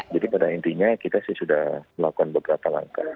jadi pada intinya kita sih sudah melakukan beberapa langkah